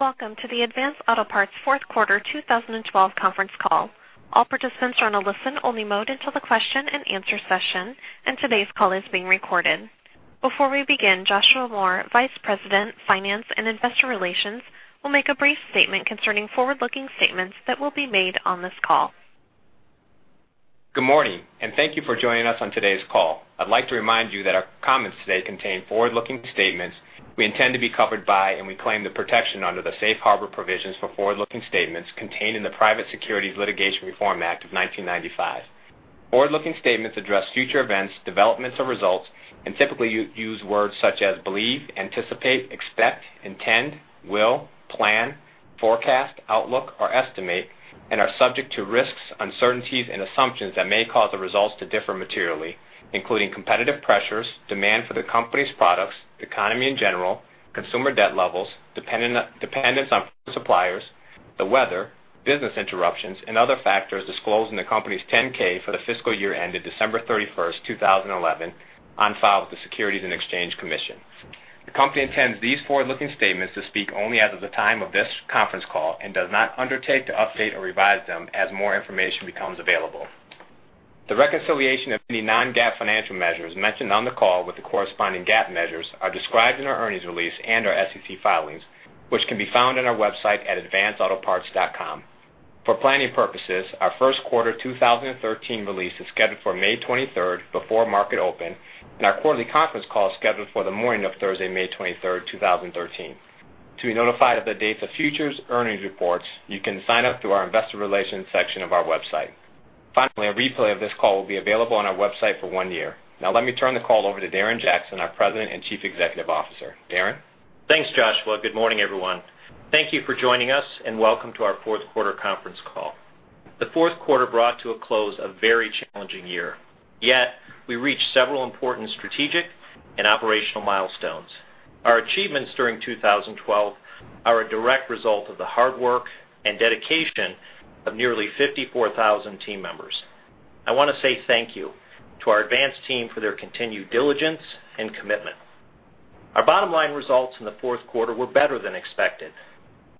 Welcome to the Advance Auto Parts fourth quarter 2012 conference call. All participants are on a listen-only mode until the question and answer session, and today's call is being recorded. Before we begin, Joshua Moore, Vice President, Finance and Investor Relations, will make a brief statement concerning forward-looking statements that will be made on this call. Good morning. Thank you for joining us on today's call. I'd like to remind you that our comments today contain forward-looking statements we intend to be covered by, and we claim the protection under the safe harbor provisions for forward-looking statements contained in the Private Securities Litigation Reform Act of 1995. Forward-looking statements address future events, developments or results and typically use words such as believe, anticipate, expect, intend, will, plan, forecast, outlook, or estimate and are subject to risks, uncertainties, and assumptions that may cause the results to differ materially, including competitive pressures, demand for the company's products, economy in general, consumer debt levels, dependence on suppliers, the weather, business interruptions, and other factors disclosed in the company's 10-K for the fiscal year ended December 31st, 2011, on file with the Securities and Exchange Commission. The company intends these forward-looking statements to speak only as of the time of this conference call and does not undertake to update or revise them as more information becomes available. The reconciliation of any non-GAAP financial measures mentioned on the call with the corresponding GAAP measures are described in our earnings release and our SEC filings, which can be found on our website at advanceautoparts.com. For planning purposes, our first quarter 2013 release is scheduled for May 23rd before market open, and our quarterly conference call is scheduled for the morning of Thursday, May 23rd, 2013. To be notified of the dates of futures earnings reports, you can sign up through our investor relations section of our website. Finally, a replay of this call will be available on our website for one year. Now let me turn the call over to Darren Jackson, our President and Chief Executive Officer. Darren? Thanks, Joshua. Good morning, everyone. Thank you for joining us. Welcome to our fourth quarter conference call. The fourth quarter brought to a close a very challenging year. Yet, we reached several important strategic and operational milestones. Our achievements during 2012 are a direct result of the hard work and dedication of nearly 54,000 team members. I want to say thank you to our Advance team for their continued diligence and commitment. Our bottom line results in the fourth quarter were better than expected.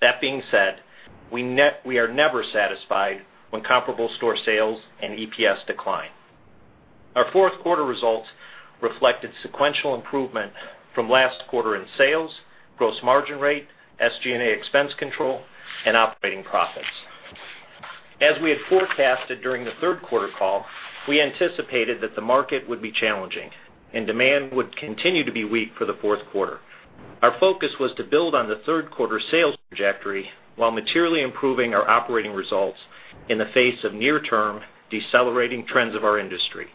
That being said, we are never satisfied when comparable store sales and EPS decline. Our fourth quarter results reflected sequential improvement from last quarter in sales, gross margin rate, SG&A expense control, and operating profits. As we had forecasted during the third quarter call, we anticipated that the market would be challenging and demand would continue to be weak for the fourth quarter. Our focus was to build on the third quarter sales trajectory while materially improving our operating results in the face of near-term decelerating trends of our industry.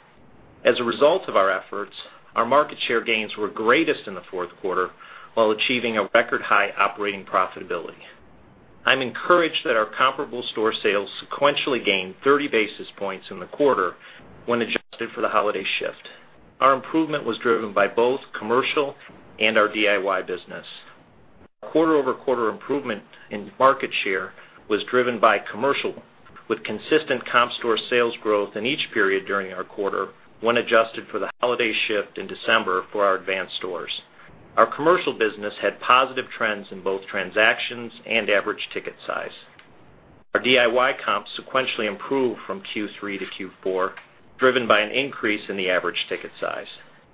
As a result of our efforts, our market share gains were greatest in the fourth quarter while achieving a record-high operating profitability. I'm encouraged that our comparable store sales sequentially gained 30 basis points in the quarter when adjusted for the holiday shift. Our improvement was driven by both commercial and our DIY business. Quarter-over-quarter improvement in market share was driven by commercial, with consistent comp store sales growth in each period during our quarter when adjusted for the holiday shift in December for our Advance stores. Our commercial business had positive trends in both transactions and average ticket size. Our DIY comps sequentially improved from Q3 to Q4, driven by an increase in the average ticket size.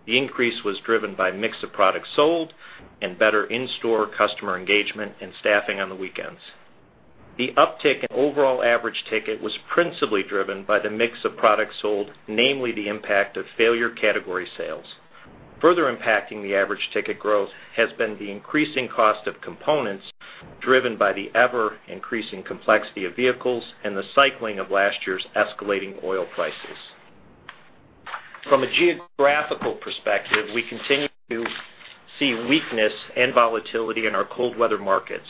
The increase was driven by mix of products sold and better in-store customer engagement and staffing on the weekends. The uptick in overall average ticket was principally driven by the mix of products sold, namely the impact of failure category sales. Further impacting the average ticket growth has been the increasing cost of components driven by the ever-increasing complexity of vehicles and the cycling of last year's escalating oil prices. From a geographical perspective, we continue to see weakness and volatility in our cold weather markets,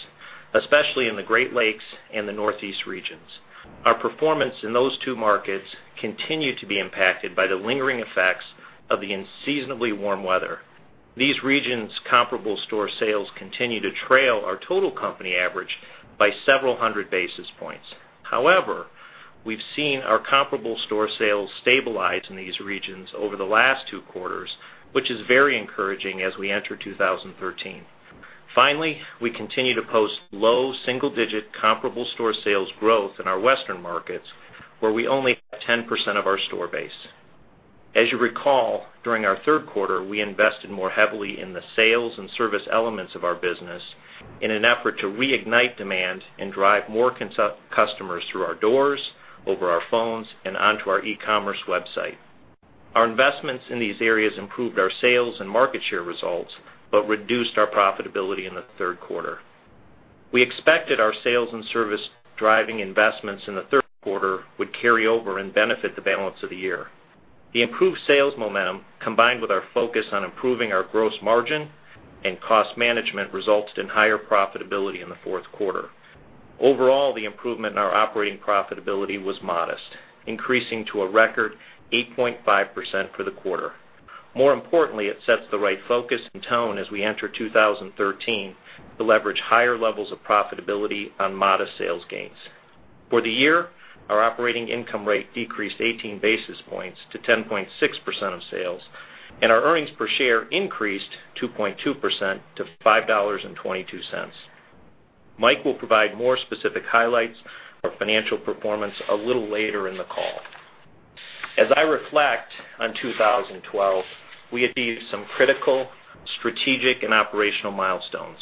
especially in the Great Lakes and the Northeast regions. Our performance in those two markets continue to be impacted by the lingering effects of the unseasonably warm weather. These regions' comparable store sales continue to trail our total company average by several hundred basis points. We've seen our comparable store sales stabilize in these regions over the last two quarters, which is very encouraging as we enter 2013. Finally, we continue to post low single-digit comparable store sales growth in our Western markets, where we only have 10% of our store base. As you recall, during our third quarter, we invested more heavily in the sales and service elements of our business in an effort to reignite demand and drive more customers through our doors, over our phones, and onto our e-commerce website. Our investments in these areas improved our sales and market share results but reduced our profitability in the third quarter. We expected our sales and service-driving investments in the third quarter would carry over and benefit the balance of the year. The improved sales momentum, combined with our focus on improving our gross margin and cost management, resulted in higher profitability in the fourth quarter. Overall, the improvement in our operating profitability was modest, increasing to a record 8.5% for the quarter. More importantly, it sets the right focus and tone as we enter 2013 to leverage higher levels of profitability on modest sales gains. For the year, our operating income rate decreased 18 basis points to 10.6% of sales, and our earnings per share increased 2.2% to $5.22. Mike will provide more specific highlights of our financial performance a little later in the call. As I reflect on 2012, we achieved some critical strategic and operational milestones.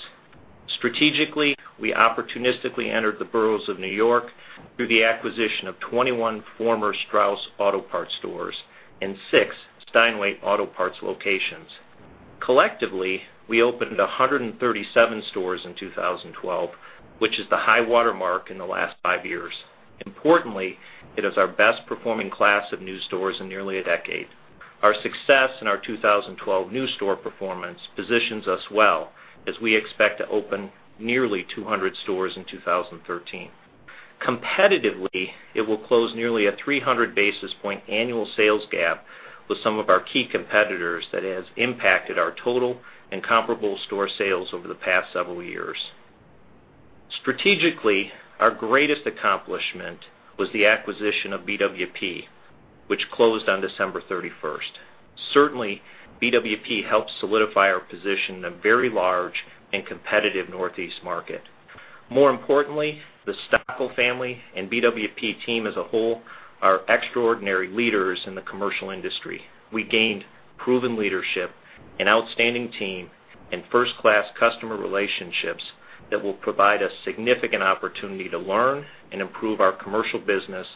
Strategically, we opportunistically entered the boroughs of New York through the acquisition of 21 former Strauss Auto Parts stores and six Steinway Auto Parts locations. Collectively, we opened 137 stores in 2012, which is the high water mark in the last five years. Importantly, it is our best-performing class of new stores in nearly a decade. Our success in our 2012 new store performance positions us well as we expect to open nearly 200 stores in 2013. Competitively, it will close nearly a 300 basis point annual sales gap with some of our key competitors that has impacted our total and comparable store sales over the past several years. Strategically, our greatest accomplishment was the acquisition of BWP, which closed on December 31st. Certainly, BWP helps solidify our position in a very large and competitive Northeast market. More importantly, the Stockel family and BWP team as a whole are extraordinary leaders in the commercial industry. We gained proven leadership, an outstanding team, and first-class customer relationships that will provide us significant opportunity to learn and improve our commercial business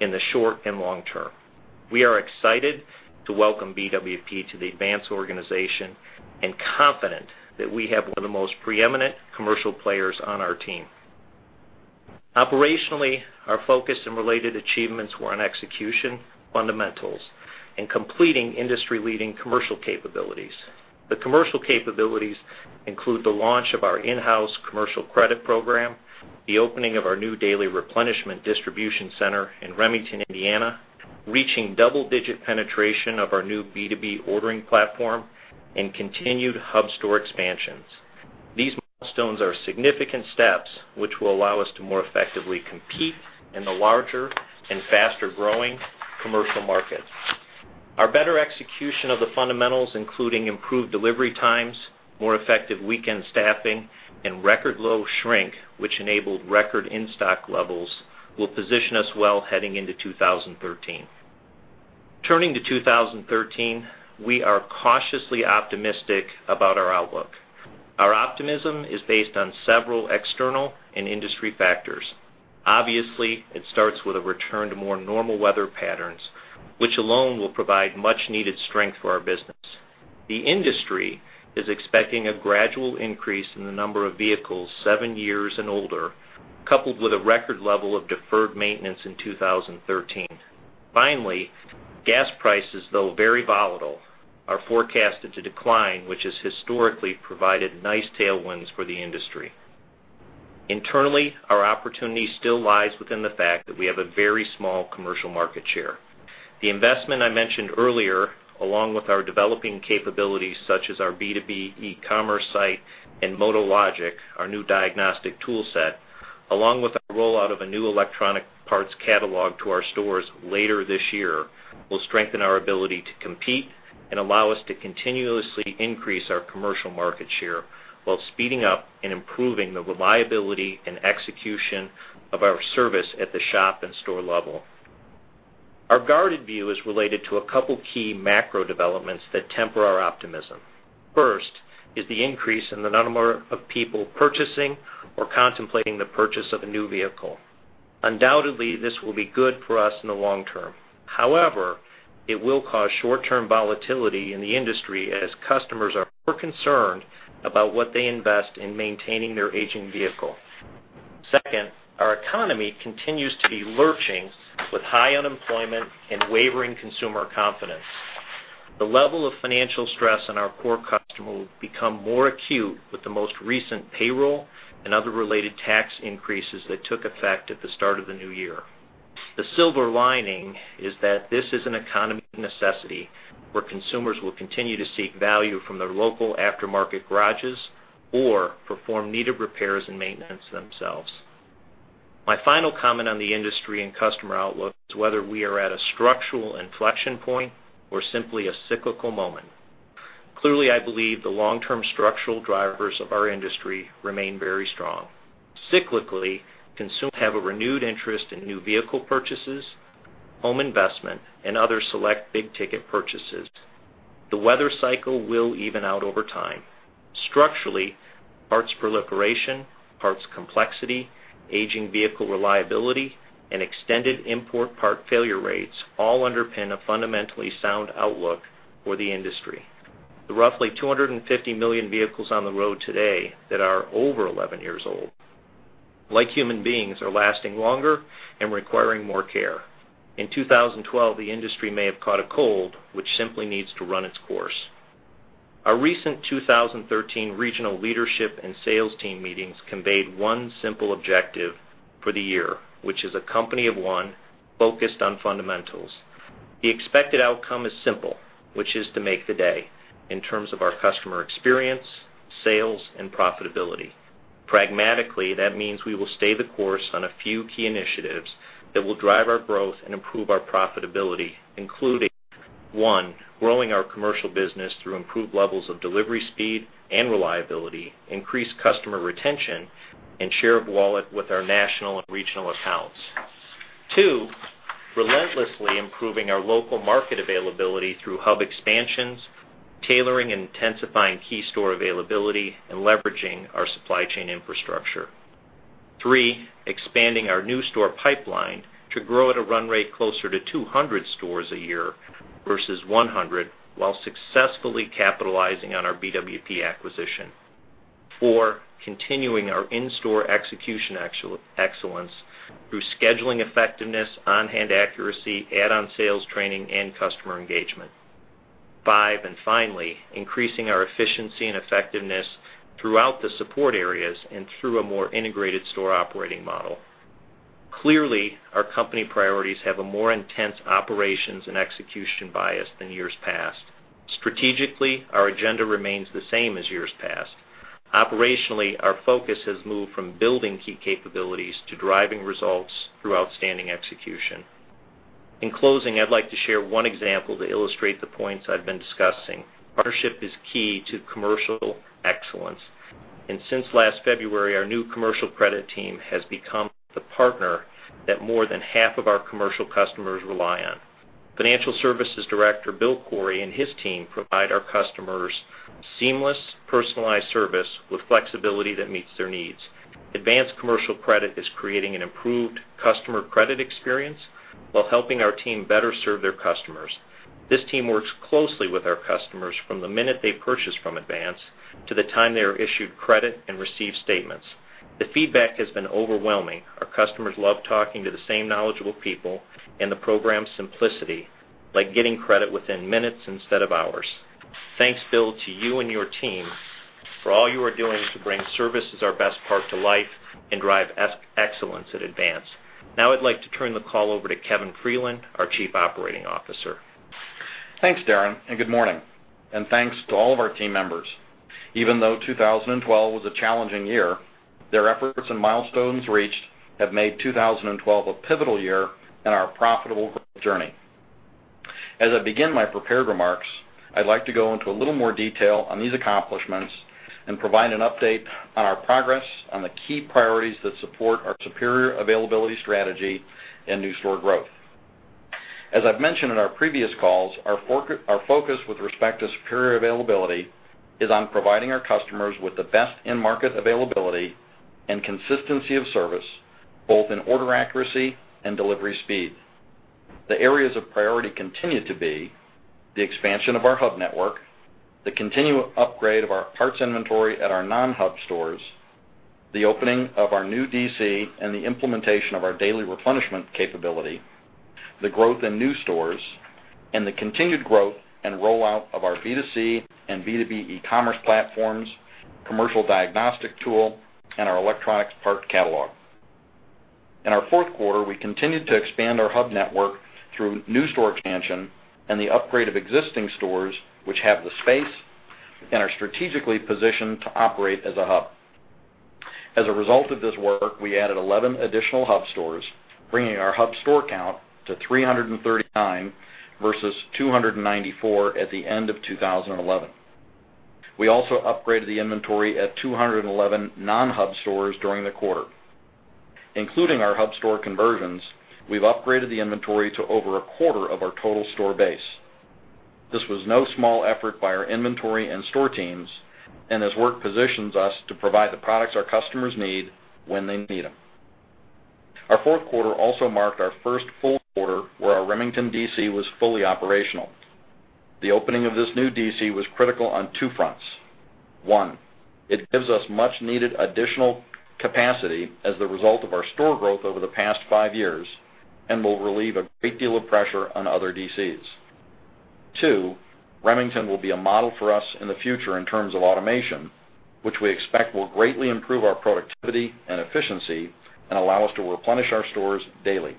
in the short and long term. We are excited to welcome BWP to the Advance organization and confident that we have one of the most preeminent commercial players on our team. Operationally, our focus and related achievements were on execution, fundamentals, and completing industry-leading commercial capabilities. The commercial capabilities include the launch of our in-house commercial credit program, the opening of our new daily replenishment distribution center in Remington, Indiana, reaching double-digit penetration of our new B2B ordering platform, and continued hub store expansions. These milestones are significant steps which will allow us to more effectively compete in the larger and faster-growing commercial market. Our better execution of the fundamentals, including improved delivery times, more effective weekend staffing, and record-low shrink, which enabled record in-stock levels, will position us well heading into 2013. Turning to 2013, we are cautiously optimistic about our outlook. Our optimism is based on several external and industry factors. Obviously, it starts with a return to more normal weather patterns, which alone will provide much needed strength for our business. The industry is expecting a gradual increase in the number of vehicles seven years and older, coupled with a record level of deferred maintenance in 2013. Finally, gas prices, though very volatile, are forecasted to decline, which has historically provided nice tailwinds for the industry. Internally, our opportunity still lies within the fact that we have a very small commercial market share. The investment I mentioned earlier, along with our developing capabilities such as our B2B e-commerce site and MotoLogic, our new diagnostic tool set, along with our rollout of a new electronic parts catalog to our stores later this year, will strengthen our ability to compete and allow us to continuously increase our commercial market share while speeding up and improving the reliability and execution of our service at the shop and store level. Our guarded view is related to a couple key macro developments that temper our optimism. First is the increase in the number of people purchasing or contemplating the purchase of a new vehicle. Undoubtedly, this will be good for us in the long term. However, it will cause short-term volatility in the industry as customers are more concerned about what they invest in maintaining their aging vehicle. Second, our economy continues to be lurching with high unemployment and wavering consumer confidence. The level of financial stress on our core customer will become more acute with the most recent payroll and other related tax increases that took effect at the start of the new year. The silver lining is that this is an economy of necessity, where consumers will continue to seek value from their local aftermarket garages or perform needed repairs and maintenance themselves. My final comment on the industry and customer outlook is whether we are at a structural inflection point or simply a cyclical moment. Clearly, I believe the long-term structural drivers of our industry remain very strong. Cyclically, consumers have a renewed interest in new vehicle purchases, home investment, and other select big-ticket purchases. The weather cycle will even out over time. Structurally, parts proliferation, parts complexity, aging vehicle reliability, and extended import part failure rates all underpin a fundamentally sound outlook for the industry. The roughly 250 million vehicles on the road today that are over 11 years old, like human beings, are lasting longer and requiring more care. In 2012, the industry may have caught a cold, which simply needs to run its course. Our recent 2013 regional leadership and sales team meetings conveyed one simple objective for the year, which is a company of one focused on fundamentals. The expected outcome is simple, which is to make the day in terms of our customer experience, sales, and profitability. Pragmatically, that means we will stay the course on a few key initiatives that will drive our growth and improve our profitability, including, 1, growing our commercial business through improved levels of delivery speed and reliability, increased customer retention, and share of wallet with our national and regional accounts. 2, relentlessly improving our local market availability through hub expansions, tailoring and intensifying key store availability, and leveraging our supply chain infrastructure. 3, expanding our new store pipeline to grow at a run rate closer to 200 stores a year versus 100 while successfully capitalizing on our BWP acquisition. 4, continuing our in-store execution excellence through scheduling effectiveness, on-hand accuracy, add-on sales training, and customer engagement. 5, and finally, increasing our efficiency and effectiveness throughout the support areas and through a more integrated store operating model. Clearly, our company priorities have a more intense operations and execution bias than years past. Strategically, our agenda remains the same as years past. Operationally, our focus has moved from building key capabilities to driving results through outstanding execution. In closing, I'd like to share one example to illustrate the points I've been discussing. Partnership is key to commercial excellence, and since last February, our new commercial credit team has become the partner that more than half of our commercial customers rely on. Financial Services Director Bill Corey and his team provide our customers seamless, personalized service with flexibility that meets their needs. Advance commercial credit is creating an improved customer credit experience while helping our team better serve their customers. This team works closely with our customers from the minute they purchase from Advance to the time they are issued credit and receive statements. The feedback has been overwhelming. Our customers love talking to the same knowledgeable people and the program's simplicity, like getting credit within minutes instead of hours. Thanks, Bill, to you and your team for all you are doing to bring service as our best part to life and drive excellence at Advance. I'd like to turn the call over to Kevin Freeland, our Chief Operating Officer. Thanks, Darren, and good morning, and thanks to all of our team members. Even though 2012 was a challenging year, their efforts and milestones reached have made 2012 a pivotal year in our profitable journey. I'd like to go into a little more detail on these accomplishments and provide an update on our progress on the key priorities that support our superior availability strategy and new store growth. I've mentioned in our previous calls, our focus with respect to superior availability is on providing our customers with the best in-market availability and consistency of service, both in order accuracy and delivery speed. The areas of priority continue to be the expansion of our hub network, the continual upgrade of our parts inventory at our non-hub stores, the opening of our new DC and the implementation of our daily replenishment capability, the growth in new stores, and the continued growth and rollout of our B2C and B2B e-commerce platforms, commercial diagnostic tool, and our electronic parts catalog. In our fourth quarter, we continued to expand our hub network through new store expansion and the upgrade of existing stores which have the space and are strategically positioned to operate as a hub. A result of this work, we added 11 additional hub stores, bringing our hub store count to 339 versus 294 at the end of 2011. We also upgraded the inventory at 211 non-hub stores during the quarter. Including our hub store conversions, we've upgraded the inventory to over a quarter of our total store base. This was no small effort by our inventory and store teams, and this work positions us to provide the products our customers need when they need them. Our fourth quarter also marked our first full quarter where our Remington DC was fully operational. The opening of this new DC was critical on two fronts. One, it gives us much needed additional capacity as the result of our store growth over the past five years and will relieve a great deal of pressure on other DCs. Two, Remington will be a model for us in the future in terms of automation, which we expect will greatly improve our productivity and efficiency and allow us to replenish our stores daily.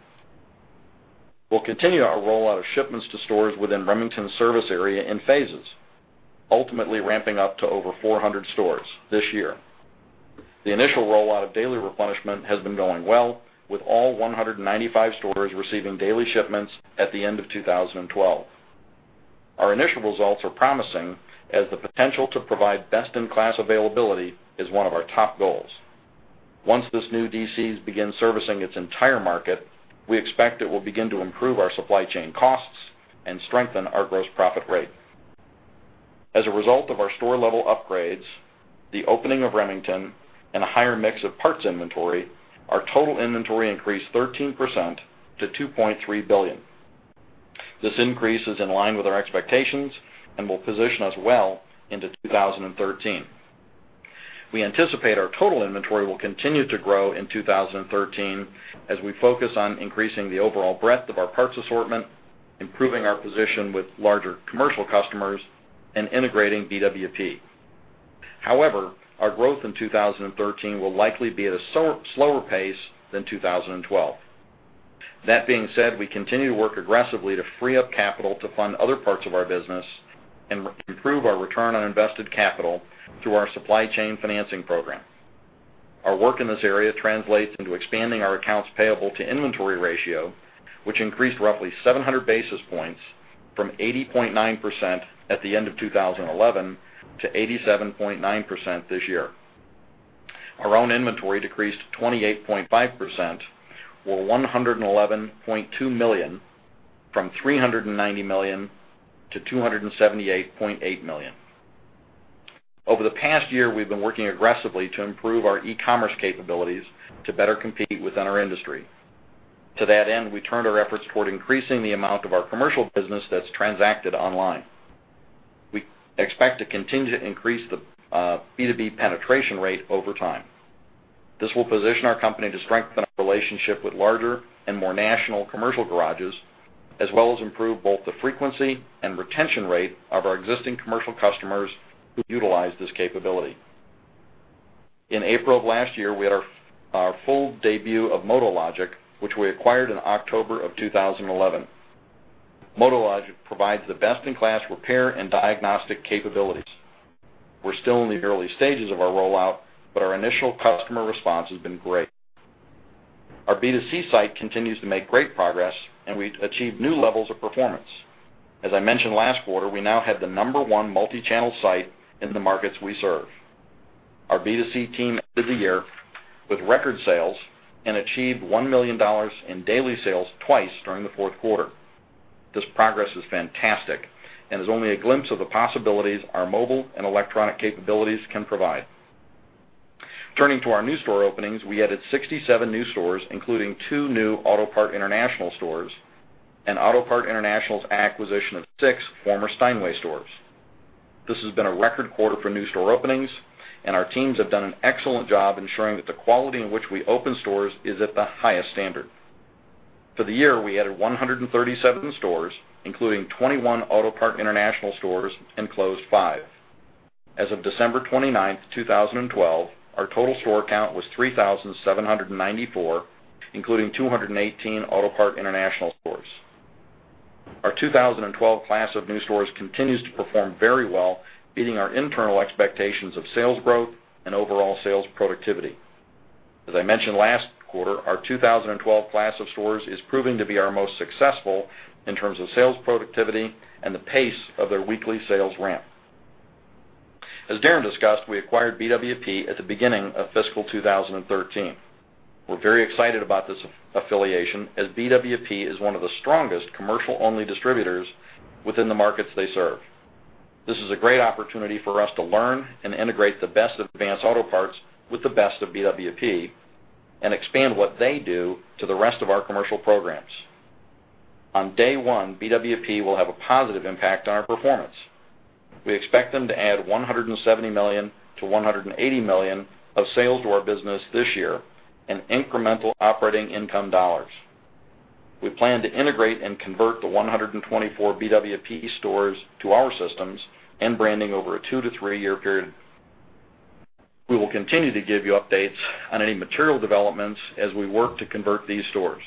We'll continue our rollout of shipments to stores within Remington's service area in phases, ultimately ramping up to over 400 stores this year. The initial rollout of daily replenishment has been going well, with all 195 stores receiving daily shipments at the end of 2012. Our initial results are promising, as the potential to provide best-in-class availability is one of our top goals. Once this new DC begins servicing its entire market, we expect it will begin to improve our supply chain costs and strengthen our gross profit rate. As a result of our store-level upgrades, the opening of Remington, and a higher mix of parts inventory, our total inventory increased 13% to $2.3 billion. This increase is in line with our expectations and will position us well into 2013. We anticipate our total inventory will continue to grow in 2013 as we focus on increasing the overall breadth of our parts assortment, improving our position with larger commercial customers, and integrating BWP. However, our growth in 2013 will likely be at a slower pace than 2012. That being said, we continue to work aggressively to free up capital to fund other parts of our business and improve our return on invested capital through our supply chain financing program. Our work in this area translates into expanding our accounts payable to inventory ratio, which increased roughly 700 basis points from 80.9% at the end of 2011 to 87.9% this year. Our owned inventory decreased to 28.5%, or $111.2 million, from $390 million to $278.8 million. Over the past year, we've been working aggressively to improve our e-commerce capabilities to better compete within our industry. To that end, we turned our efforts toward increasing the amount of our commercial business that's transacted online. We expect to continue to increase the B2B penetration rate over time. This will position our company to strengthen our relationship with larger and more national commercial garages, as well as improve both the frequency and retention rate of our existing commercial customers who utilize this capability. In April of last year, we had our full debut of MotoLogic, which we acquired in October of 2011. MotoLogic provides the best-in-class repair and diagnostic capabilities. We're still in the early stages of our rollout, but our initial customer response has been great. Our B2C site continues to make great progress, and we achieved new levels of performance. As I mentioned last quarter, we now have the number one multi-channel site in the markets we serve. Our B2C team ended the year with record sales and achieved $1 million in daily sales twice during the fourth quarter. This progress is fantastic and is only a glimpse of the possibilities our mobile and electronic capabilities can provide. Turning to our new store openings, we added 67 new stores, including two new Autopart International stores and Autopart International's acquisition of six former Steinway Auto Parts stores. This has been a record quarter for new store openings, and our teams have done an excellent job ensuring that the quality in which we open stores is at the highest standard. For the year, we added 137 stores, including 21 Autopart International stores, and closed five. As of December 29th, 2012, our total store count was 3,794, including 218 Autopart International stores. Our 2012 class of new stores continues to perform very well, beating our internal expectations of sales growth and overall sales productivity. As I mentioned last quarter, our 2012 class of stores is proving to be our most successful in terms of sales productivity and the pace of their weekly sales ramp. As Darren discussed, we acquired BWP at the beginning of fiscal 2013. We're very excited about this affiliation, as BWP is one of the strongest commercial-only distributors within the markets they serve. This is a great opportunity for us to learn and integrate the best of Advance Auto Parts with the best of BWP and expand what they do to the rest of our commercial programs. On day one, BWP will have a positive impact on our performance. We expect them to add $170 million-$180 million of sales to our business this year in incremental operating income dollars. We plan to integrate and convert the 124 BWP stores to our systems and branding over a two-to-three-year period. We will continue to give you updates on any material developments as we work to convert these stores.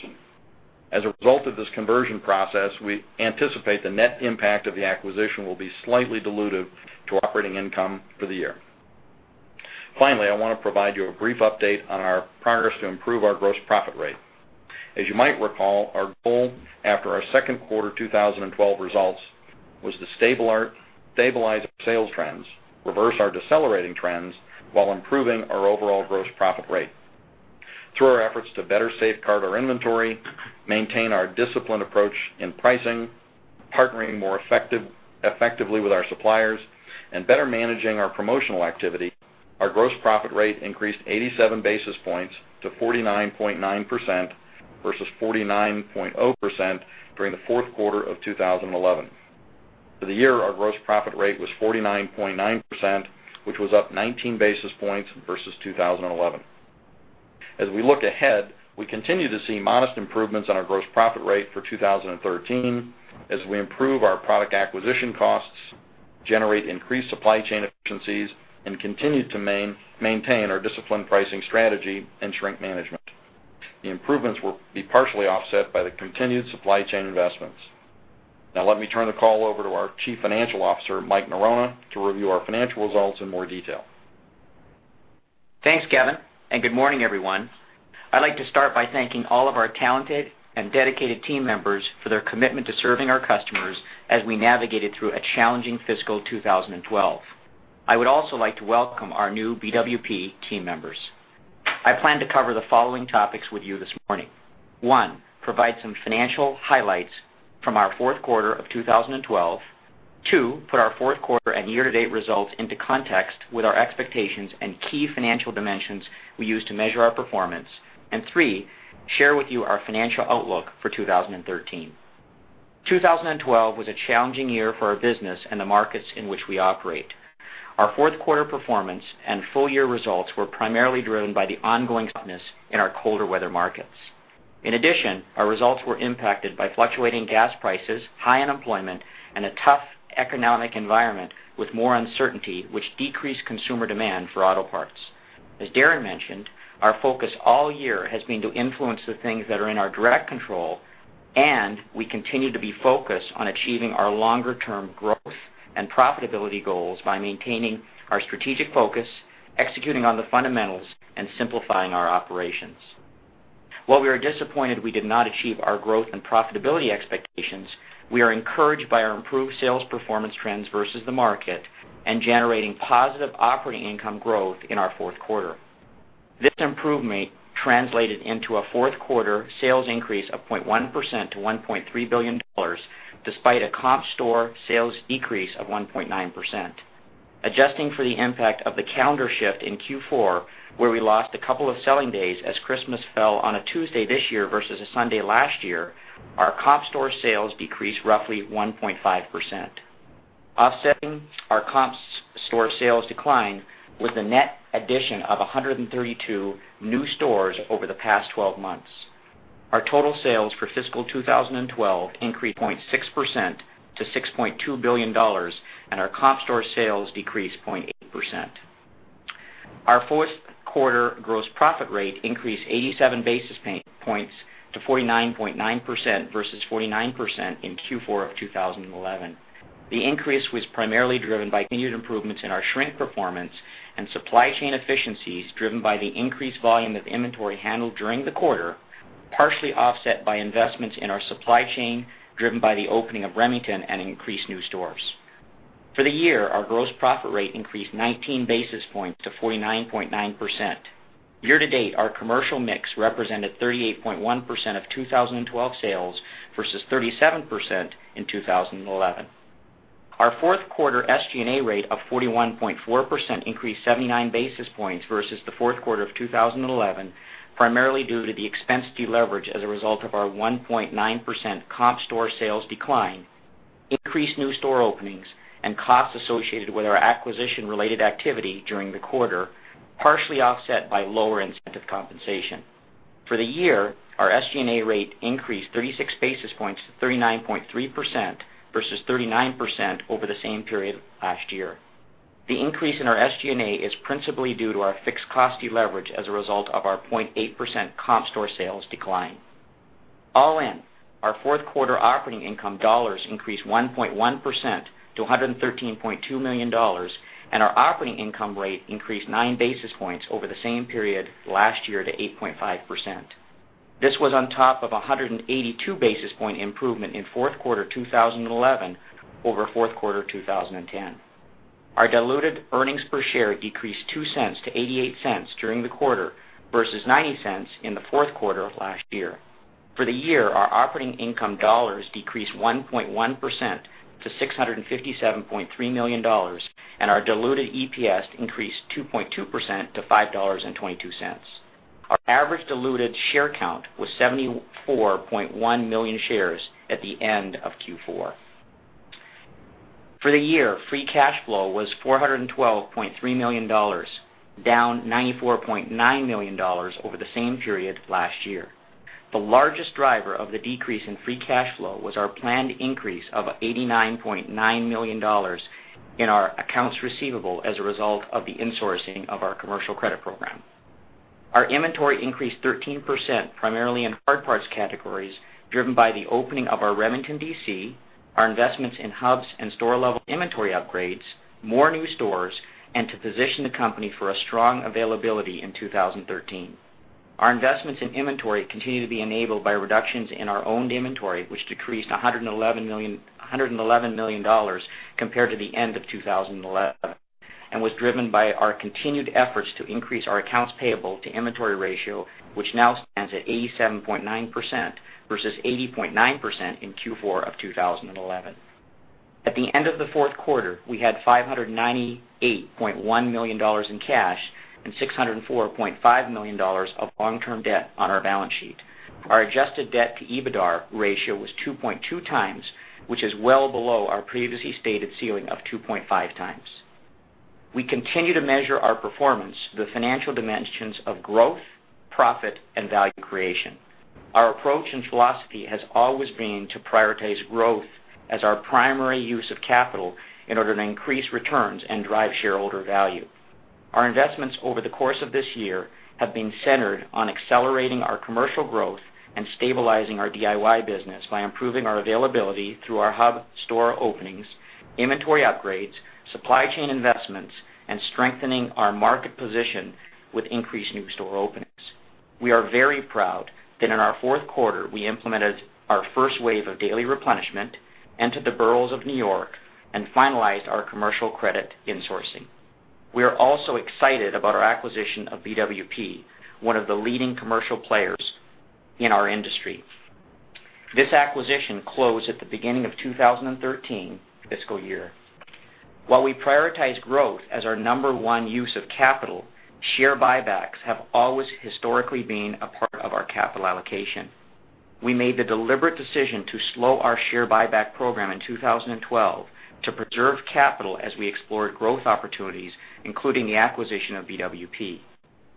As a result of this conversion process, we anticipate the net impact of the acquisition will be slightly dilutive to operating income for the year. I want to provide you a brief update on our progress to improve our gross profit rate. You might recall, our goal after our second quarter 2012 results was to stabilize our sales trends, reverse our decelerating trends while improving our overall gross profit rate. Through our efforts to better safeguard our inventory, maintain our disciplined approach in pricing, partnering more effectively with our suppliers, and better managing our promotional activity, our gross profit rate increased 87 basis points to 49.9% versus 49.0% during the fourth quarter of 2011. For the year, our gross profit rate was 49.9%, which was up 19 basis points versus 2011. We look ahead, we continue to see modest improvements on our gross profit rate for 2013 as we improve our product acquisition costs, generate increased supply chain efficiencies, and continue to maintain our disciplined pricing strategy and shrink management. The improvements will be partially offset by the continued supply chain investments. Let me turn the call over to our Chief Financial Officer, Mike Norona, to review our financial results in more detail. Thanks, Kevin, and good morning, everyone. I'd like to start by thanking all of our talented and dedicated team members for their commitment to serving our customers as we navigated through a challenging fiscal 2012. I would also like to welcome our new BWP team members. I plan to cover the following topics with you this morning. One, provide some financial highlights from our fourth quarter of 2012. Two, put our fourth quarter and year-to-date results into context with our expectations and key financial dimensions we use to measure our performance. Three, share with you our financial outlook for 2013. 2012 was a challenging year for our business and the markets in which we operate. Our fourth quarter performance and full-year results were primarily driven by the ongoing softness in our colder weather markets. In addition, our results were impacted by fluctuating gas prices, high unemployment, and a tough economic environment with more uncertainty, which decreased consumer demand for auto parts. As Darren mentioned, our focus all year has been to influence the things that are in our direct control, and we continue to be focused on achieving our longer-term growth and profitability goals by maintaining our strategic focus, executing on the fundamentals, and simplifying our operations. While we are disappointed we did not achieve our growth and profitability expectations, we are encouraged by our improved sales performance trends versus the market and generating positive operating income growth in our fourth quarter. This improvement translated into a fourth quarter sales increase of 0.1% to $1.3 billion, despite a comp store sales decrease of 1.9%. Adjusting for the impact of the calendar shift in Q4, where we lost a couple of selling days as Christmas fell on a Tuesday this year versus a Sunday last year, our comp store sales decreased roughly 1.5%. Offsetting our comp store sales decline was the net addition of 132 new stores over the past 12 months. Our total sales for fiscal 2012 increased 0.6% to $6.2 billion, and our comp store sales decreased 0.8%. Our fourth quarter gross profit rate increased 87 basis points to 49.9% versus 49% in Q4 of 2011. The increase was primarily driven by continued improvements in our shrink performance and supply chain efficiencies, driven by the increased volume of inventory handled during the quarter, partially offset by investments in our supply chain, driven by the opening of Remington and increased new stores. For the year, our gross profit rate increased 19 basis points to 49.9%. Year to date, our commercial mix represented 38.1% of 2012 sales versus 37% in 2011. Our fourth quarter SG&A rate of 41.4% increased 79 basis points versus the fourth quarter of 2011, primarily due to the expense deleverage as a result of our 1.9% comp store sales decline, increased new store openings, and costs associated with our acquisition-related activity during the quarter, partially offset by lower incentive compensation. For the year, our SG&A rate increased 36 basis points to 39.3% versus 39% over the same period last year. The increase in our SG&A is principally due to our fixed cost deleverage as a result of our 0.8% comp store sales decline. All in, our fourth quarter operating income dollars increased 1.1% to $113.2 million, and our operating income rate increased nine basis points over the same period last year to 8.5%. This was on top of 182 basis point improvement in fourth quarter 2011 over fourth quarter 2010. Our diluted earnings per share decreased $0.02 to $0.88 during the quarter versus $0.90 in the fourth quarter of last year. For the year, our operating income dollars decreased 1.1% to $657.3 million, and our diluted EPS increased 2.2% to $5.22. Our average diluted share count was 74.1 million shares at the end of Q4. For the year, free cash flow was $412.3 million, down $94.9 million over the same period last year. The largest driver of the decrease in free cash flow was our planned increase of $89.9 million in our accounts receivable as a result of the insourcing of our commercial credit program. Our inventory increased 13%, primarily in hard parts categories, driven by the opening of our Remington DC, our investments in hubs and store-level inventory upgrades, more new stores, and to position the company for a strong availability in 2013. Our investments in inventory continue to be enabled by reductions in our owned inventory, which decreased $111 million compared to the end of 2011 and was driven by our continued efforts to increase our accounts payable to inventory ratio, which now stands at 87.9% versus 80.9% in Q4 of 2011. At the end of the fourth quarter, we had $598.1 million in cash and $604.5 million of long-term debt on our balance sheet. Our adjusted debt to EBITDAR ratio was 2.2 times, which is well below our previously stated ceiling of 2.5 times. We continue to measure our performance through the financial dimensions of growth, profit, and value creation. Our approach and philosophy has always been to prioritize growth as our primary use of capital in order to increase returns and drive shareholder value. Our investments over the course of this year have been centered on accelerating our commercial growth and stabilizing our DIY business by improving our availability through our hub store openings, inventory upgrades, supply chain investments, and strengthening our market position with increased new store openings. We are very proud that in our fourth quarter, we implemented our first wave of daily replenishment, entered the boroughs of New York, and finalized our commercial credit insourcing. We are also excited about our acquisition of BWP, one of the leading commercial players in our industry. This acquisition closed at the beginning of 2013 fiscal year. While we prioritize growth as our number 1 use of capital, share buybacks have always historically been a part of our capital allocation. We made the deliberate decision to slow our share buyback program in 2012 to preserve capital as we explored growth opportunities, including the acquisition of BWP.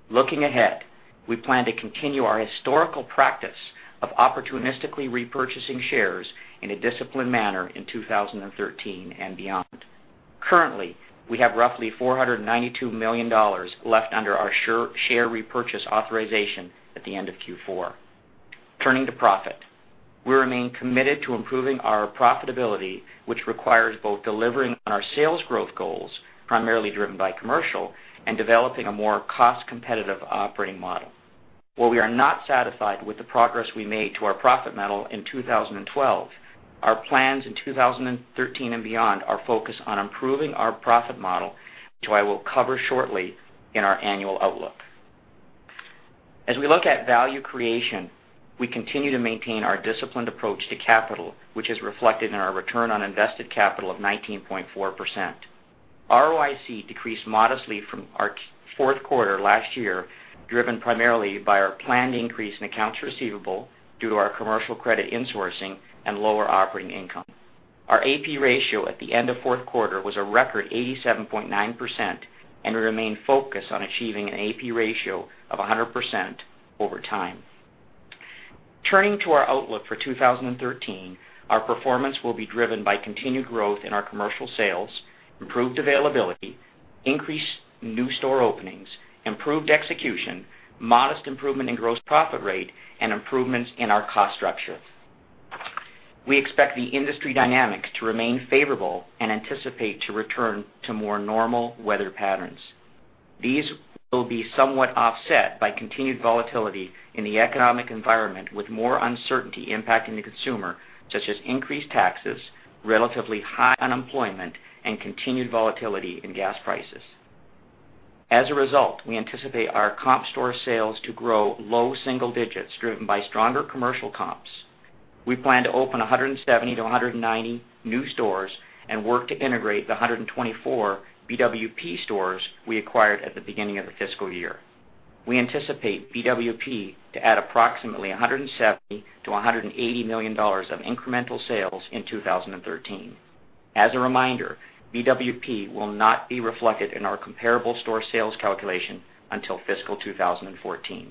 Looking ahead We plan to continue our historical practice of opportunistically repurchasing shares in a disciplined manner in 2013 and beyond. Currently, we have roughly $492 million left under our share repurchase authorization at the end of Q4. Turning to profit, we remain committed to improving our profitability, which requires both delivering on our sales growth goals, primarily driven by commercial, and developing a more cost-competitive operating model. While we are not satisfied with the progress we made to our profit model in 2012, our plans in 2013 and beyond are focused on improving our profit model, which I will cover shortly in our annual outlook. As we look at value creation, we continue to maintain our disciplined approach to capital, which is reflected in our return on invested capital of 19.4%. ROIC decreased modestly from our fourth quarter last year, driven primarily by our planned increase in accounts receivable due to our commercial credit insourcing and lower operating income. Our AP ratio at the end of the fourth quarter was a record 87.9%, and we remain focused on achieving an AP ratio of 100% over time. Turning to our outlook for 2013, our performance will be driven by continued growth in our commercial sales, improved availability, increased new store openings, improved execution, modest improvement in gross profit rate, and improvements in our cost structure. We expect the industry dynamics to remain favorable and anticipate to return to more normal weather patterns. These will be somewhat offset by continued volatility in the economic environment, with more uncertainty impacting the consumer, such as increased taxes, relatively high unemployment, and continued volatility in gas prices. As a result, we anticipate our comp store sales to grow low single digits, driven by stronger commercial comps. We plan to open 170 to 190 new stores and work to integrate the 124 BWP stores we acquired at the beginning of the fiscal year. We anticipate BWP to add approximately $170 million-$180 million of incremental sales in 2013. As a reminder, BWP will not be reflected in our comparable store sales calculation until fiscal 2014.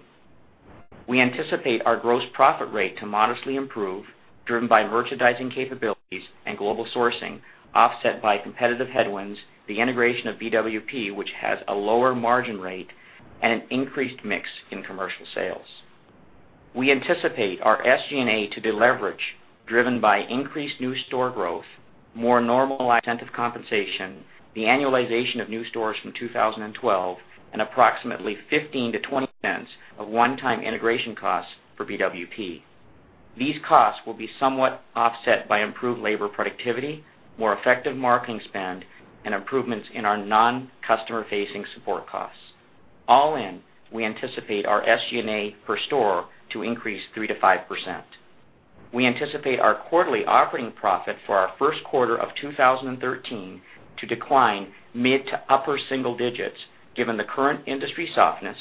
We anticipate our gross profit rate to modestly improve, driven by merchandising capabilities and global sourcing, offset by competitive headwinds, the integration of BWP, which has a lower margin rate, and an increased mix in commercial sales. We anticipate our SG&A to deleverage, driven by increased new store growth, more normal incentive compensation, the annualization of new stores from 2012, and approximately $0.15-$0.20 of one-time integration costs for BWP. These costs will be somewhat offset by improved labor productivity, more effective marketing spend, and improvements in our non-customer-facing support costs. All in, we anticipate our SG&A per store to increase 3%-5%. We anticipate our quarterly operating profit for our first quarter of 2013 to decline mid to upper single digits, given the current industry softness,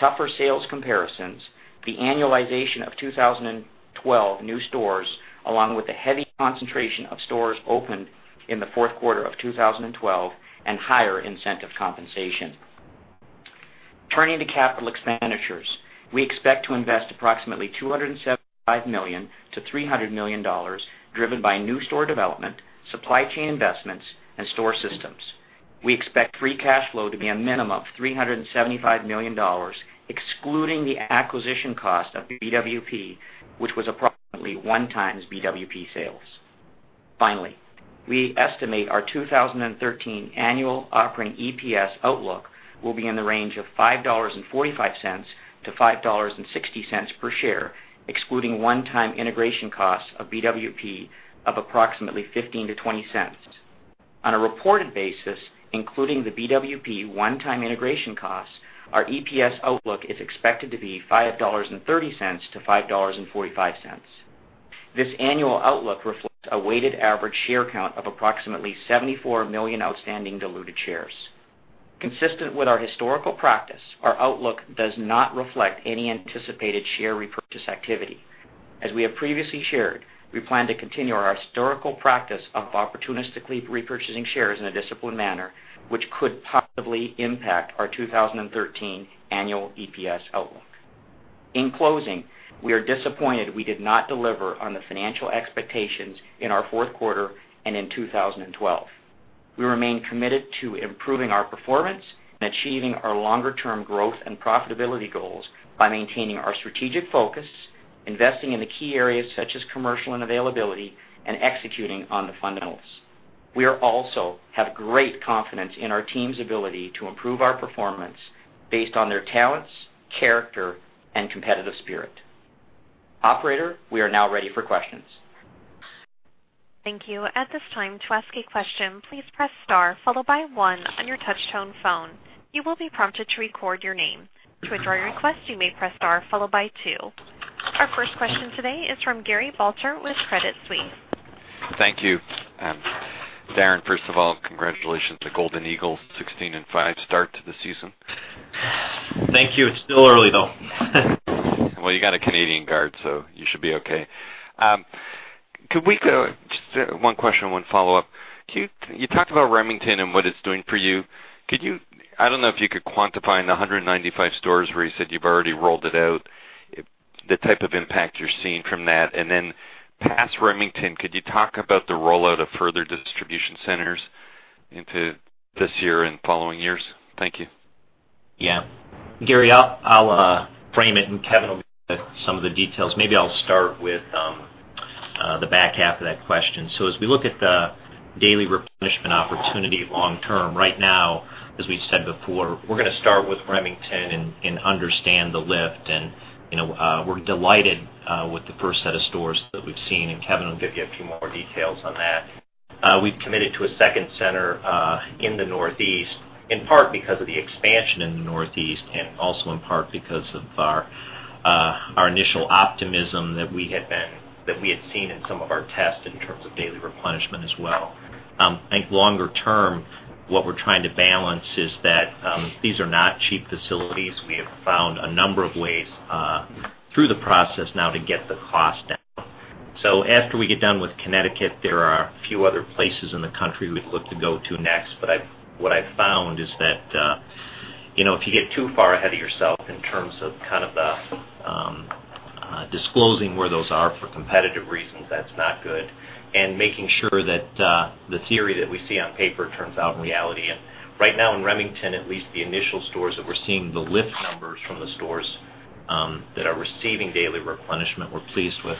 tougher sales comparisons, the annualization of 2012 new stores, along with the heavy concentration of stores opened in the fourth quarter of 2012 and higher incentive compensation. Turning to capital expenditures, we expect to invest approximately $275 million-$300 million, driven by new store development, supply chain investments, and store systems. We expect free cash flow to be a minimum of $375 million, excluding the acquisition cost of BWP, which was approximately one times BWP sales. Finally, we estimate our 2013 annual operating EPS outlook will be in the range of $5.45-$5.60 per share, excluding one-time integration costs of BWP of approximately $0.15-$0.20. On a reported basis, including the BWP one-time integration costs, our EPS outlook is expected to be $5.30-$5.45. This annual outlook reflects a weighted average share count of approximately 74 million outstanding diluted shares. Consistent with our historical practice, our outlook does not reflect any anticipated share repurchase activity. As we have previously shared, we plan to continue our historical practice of opportunistically repurchasing shares in a disciplined manner, which could positively impact our 2013 annual EPS outlook. In closing, we are disappointed we did not deliver on the financial expectations in our fourth quarter and in 2012. We remain committed to improving our performance and achieving our longer-term growth and profitability goals by maintaining our strategic focus, investing in the key areas such as commercial and availability, and executing on the fundamentals. We also have great confidence in our team's ability to improve our performance based on their talents, character, and competitive spirit. Operator, we are now ready for questions. Thank you. At this time, to ask a question, please press star followed by one on your touch-tone phone. You will be prompted to record your name. To withdraw your request, you may press star followed by two. Our first question today is from Gary Balter with Credit Suisse. Thank you. Darren, first of all, congratulations to Golden Eagles, 16 and five start to the season. Thank you. It's still early, though. Well, you got a Canadian guard, so you should be okay. Just one question and one follow-up. You talked about Remington and what it's doing for you. I don't know if you could quantify in the 195 stores where you said you've already rolled it out, the type of impact you're seeing from that. Past Remington, could you talk about the rollout of further distribution centers into this year and following years? Thank you. Yeah. Gary, I'll frame it. Kevin will give some of the details. Maybe I'll start with the back half of that question. As we look at the daily replenishment opportunity long term, right now, as we said before, we're going to start with Remington and understand the lift. We're delighted with the first set of stores that we've seen. Kevin will give you a few more details on that. We've committed to a second center in the Northeast, in part because of the expansion in the Northeast and also in part because of our initial optimism that we had seen in some of our tests in terms of daily replenishment as well. I think longer term, what we're trying to balance is that these are not cheap facilities. We have found a number of ways through the process now to get the cost down. After we get done with Connecticut, there are a few other places in the country we'd look to go to next. What I've found is that if you get too far ahead of yourself in terms of the disclosing where those are for competitive reasons, that's not good, and making sure that the theory that we see on paper turns out in reality. Right now in Remington, at least the initial stores that we're seeing the lift numbers from the stores that are receiving daily replenishment, we're pleased with.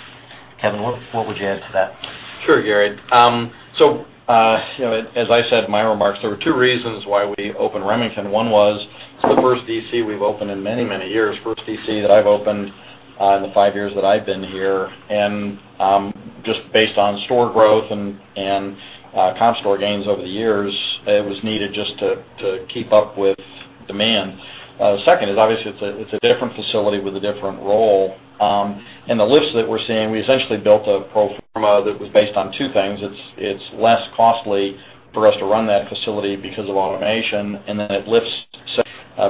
Kevin, what would you add to that? Sure, Gary. As I said in my remarks, there were two reasons why we opened Remington. One was it's the first DC we've opened in many years, first DC that I've opened in the five years that I've been here. Just based on store growth and comp store gains over the years, it was needed just to keep up with demand. Second is obviously it's a different facility with a different role. The lifts that we're seeing, we essentially built a pro forma that was based on two things. It's less costly for us to run that facility because of automation. It lifts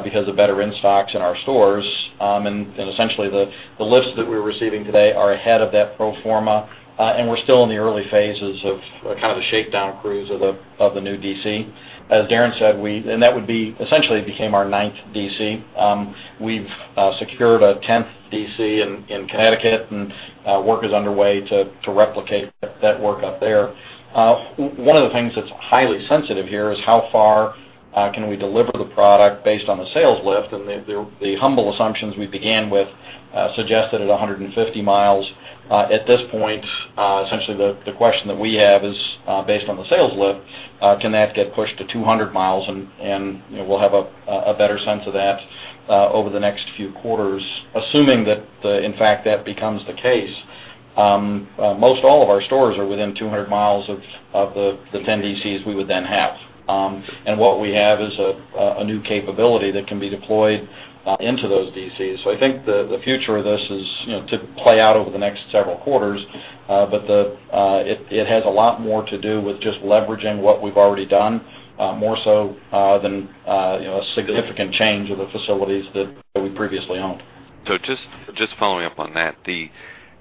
because of better in-stocks in our stores. Essentially, the lifts that we're receiving today are ahead of that pro forma, and we're still in the early phases of the shakedown cruise of the new DC. As Darren said, that would be essentially became our ninth DC. We've secured a 10th DC in Connecticut, work is underway to replicate that work up there. One of the things that's highly sensitive here is how far can we deliver the product based on the sales lift, the humble assumptions we began with suggested at 150 miles. At this point, essentially the question that we have is based on the sales lift, can that get pushed to 200 miles? We'll have a better sense of that over the next few quarters, assuming that, in fact, that becomes the case. Most all of our stores are within 200 miles of the 10 DCs we would then have. What we have is a new capability that can be deployed into those DCs. I think the future of this is to play out over the next several quarters. It has a lot more to do with just leveraging what we've already done, more so than a significant change of the facilities that we previously owned. Just following up on that,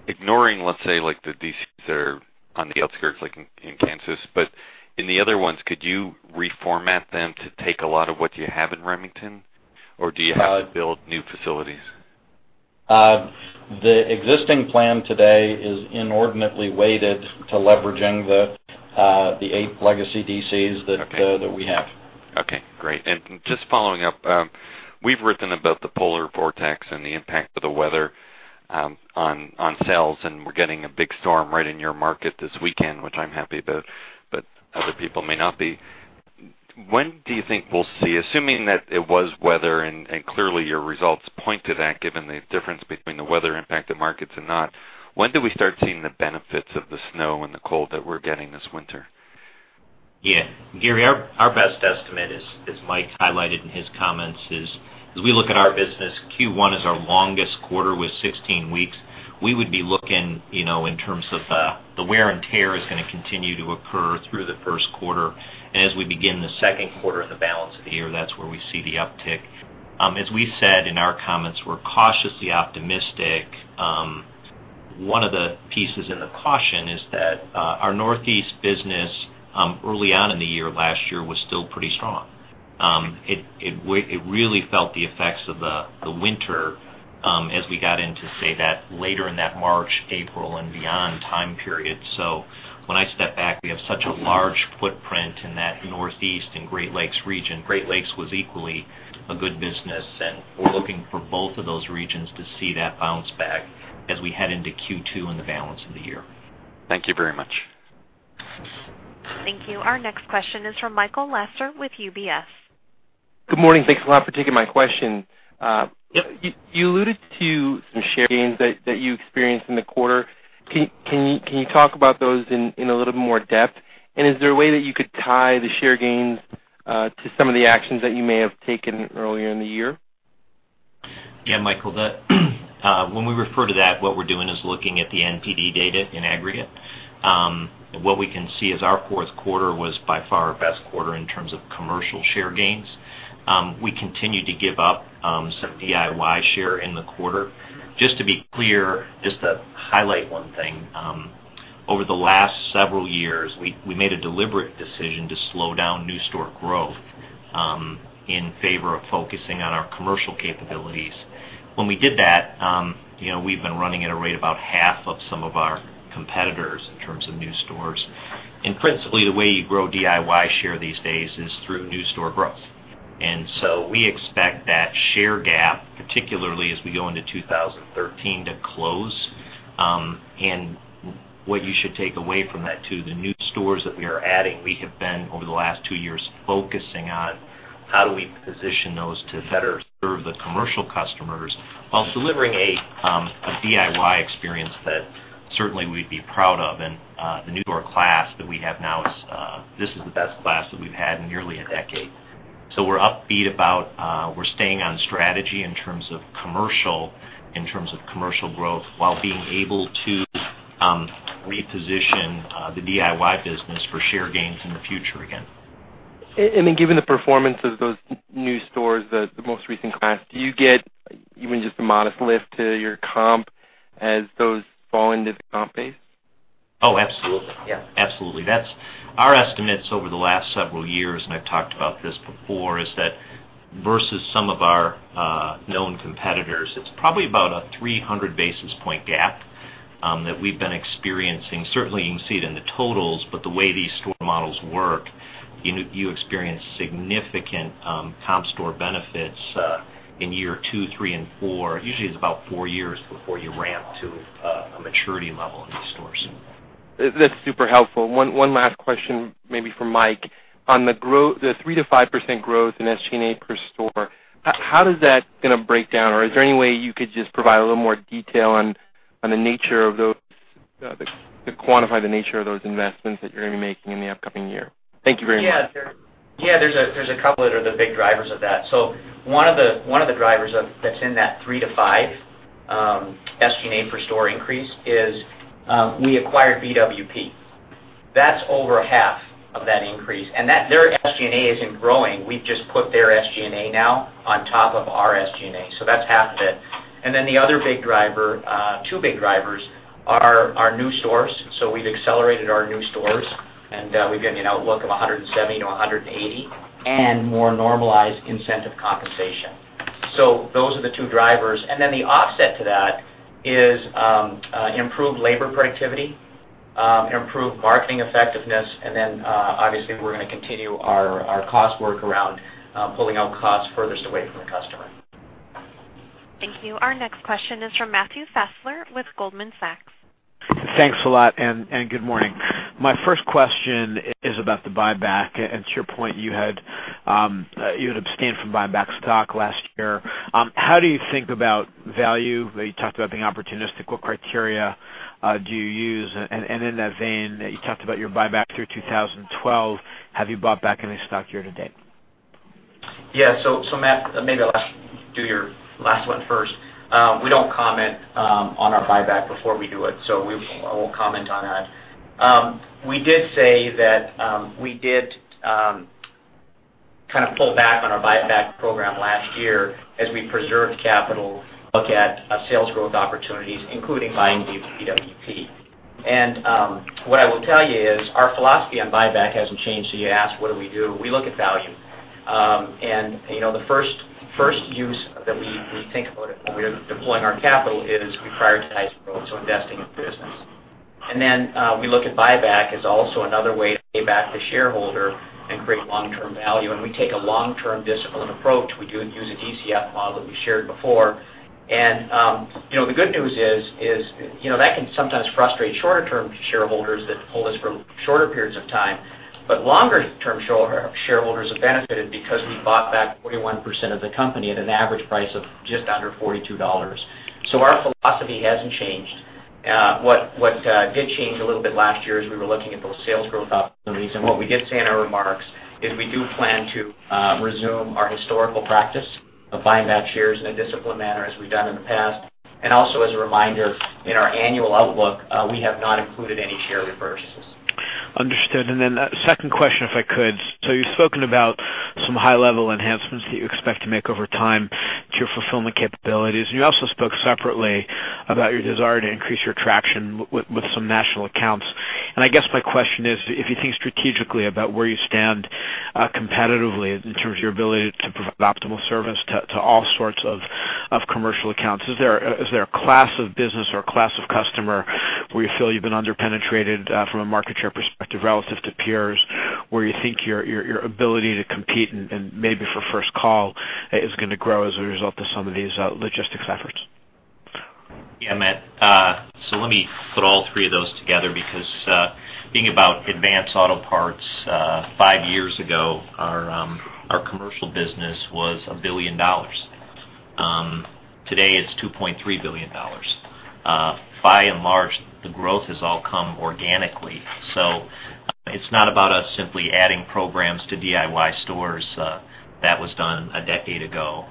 ignoring, let's say, like the DCs that are on the outskirts, like in Kansas, but in the other ones, could you reformat them to take a lot of what you have in Remington? Do you have to build new facilities? The existing plan today is inordinately weighted to leveraging the eight legacy DCs that we have. Okay, great. Just following up, we've written about the polar vortex and the impact of the weather on sales, and we're getting a big storm right in your market this weekend, which I'm happy about, but other people may not be. When do you think we'll see, assuming that it was weather, and clearly your results point to that, given the difference between the weather-impacted markets and not, when do we start seeing the benefits of the snow and the cold that we're getting this winter? Yeah. Gary, our best estimate, as Mike highlighted in his comments, is as we look at our business, Q1 is our longest quarter with 16 weeks. We would be looking in terms of the wear and tear is going to continue to occur through the first quarter. As we begin the second quarter of the balance of the year, that's where we see the uptick. As we said in our comments, we're cautiously optimistic. One of the pieces in the caution is that our Northeast business early on in the year last year was still pretty strong. It really felt the effects of the winter as we got into, say, that later in that March, April and beyond time period. When I step back, we have such a large footprint in that Northeast and Great Lakes region. Great Lakes was equally a good business. We're looking for both of those regions to see that bounce back as we head into Q2 and the balance of the year. Thank you very much. Thank you. Our next question is from Michael Lasser with UBS. Good morning. Thanks a lot for taking my question. Yep. You alluded to some share gains that you experienced in the quarter. Can you talk about those in a little bit more depth? Is there a way that you could tie the share gains to some of the actions that you may have taken earlier in the year? Yeah, Michael. When we refer to that, what we're doing is looking at the NPD data in aggregate. What we can see is our fourth quarter was by far our best quarter in terms of commercial share gains. We continue to give up some DIY share in the quarter. Just to be clear, just to highlight one thing. Over the last several years, we made a deliberate decision to slow down new store growth in favor of focusing on our commercial capabilities. When we did that, we've been running at a rate about half of some of our competitors in terms of new stores. Principally, the way you grow DIY share these days is through new store growth. So we expect that share gap, particularly as we go into 2013, to close. What you should take away from that too, the new stores that we are adding, we have been, over the last two years, focusing on how do we position those to better serve the commercial customers while delivering a DIY experience that certainly we'd be proud of. The new store class that we have now, this is the best class that we've had in nearly a decade. We're upbeat about, we're staying on strategy in terms of commercial growth, while being able to reposition the DIY business for share gains in the future again. Given the performance of those new stores, the most recent class, do you get even just a modest lift to your comp as those fall into the comp base? Absolutely. Yeah. Absolutely. Our estimates over the last several years, and I've talked about this before, is that versus some of our known competitors, it's probably about a 300 basis point gap that we've been experiencing. Certainly, you can see it in the totals, but the way these store models work, you experience significant comp store benefits in year two, three, and four. Usually, it's about four years before you ramp to a maturity level in these stores. That's super helpful. One last question, maybe for Mike. On the 3% to 5% growth in SG&A per store, how does that going to break down? Or is there any way you could just provide a little more detail on the nature of those, to quantify the nature of those investments that you're going to be making in the upcoming year? Thank you very much. There's a couple that are the big drivers of that. One of the drivers that's in that 3% to 5% SG&A per store increase is we acquired BWP. That's over half of that increase. Their SG&A isn't growing. We've just put their SG&A now on top of our SG&A. That's half of it. Then the other big driver, two big drivers, are our new stores, we've accelerated our new stores, and we've given you an outlook of 170 to 180, and more normalized incentive compensation. Those are the two drivers. Then the offset to that is improved labor productivity, improved marketing effectiveness, and obviously, we're going to continue our cost work around pulling out costs furthest away from the customer. Thank you. Our next question is from Matthew Fassler with Goldman Sachs. Thanks a lot, good morning. My first question is about the buyback. To your point, you had abstained from buying back stock last year. How do you think about value? You talked about being opportunistic. What criteria do you use? In that vein, you talked about your buyback through 2012. Have you bought back any stock year to date? Yeah. Matt, maybe I'll do your last one first. We don't comment on our buyback before we do it. I won't comment on that. We did say that we did kind of pull back on our buyback program last year as we preserved capital to look at sales growth opportunities, including buying BWP. What I will tell you is our philosophy on buyback hasn't changed. You asked, what do we do? We look at value. The first use that we think about when we are deploying our capital is we prioritize growth, investing in the business. We look at buyback as also another way to pay back the shareholder and create long-term value, we take a long-term discipline approach. We do use a DCF model that we shared before. The good news is that can sometimes frustrate shorter-term shareholders that hold us for shorter periods of time. Longer-term shareholders have benefited because we bought back 41% of the company at an average price of just under $42. Our philosophy hasn't changed. What did change a little bit last year is we were looking at those sales growth opportunities. What we did say in our remarks is we do plan to resume our historical practice of buying back shares in a disciplined manner as we've done in the past. Also as a reminder, in our annual outlook, we have not included any share repurchases. Understood. A second question, if I could. You've spoken about some high-level enhancements that you expect to make over time to your fulfillment capabilities, you also spoke separately about your desire to increase your traction with some national accounts. I guess my question is, if you think strategically about where you stand competitively in terms of your ability to provide optimal service to all sorts of commercial accounts, is there a class of business or a class of customer where you feel you've been under-penetrated from a market share perspective relative to peers, where you think your ability to compete and maybe for first call is going to grow as a result of some of these logistics efforts? Yeah, Matt. Let me put all three of those together because thinking about Advance Auto Parts, 5 years ago, our commercial business was $1 billion. Today it's $2.3 billion. By and large, the growth has all come organically. It's not about us simply adding programs to DIY stores. That was done a decade ago.